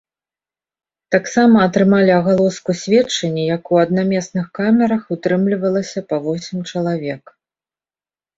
Таксама атрымалі агалоску сведчанні, як у аднаместных камерах утрымлівалася па восем чалавек.